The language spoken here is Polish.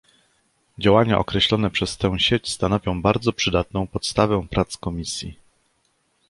Działania określone przez tę sieć stanowią bardzo przydatną podstawę prac Komisji